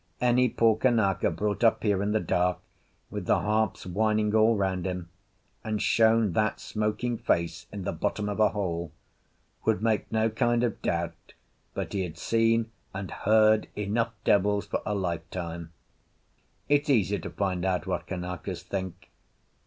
Any poor Kanaka brought up here in the dark, with the harps whining all round him, and shown that smoking face in the bottom of a hole, would make no kind of doubt but he had seen and heard enough devils for a lifetime. It's easy to find out what Kanakas think.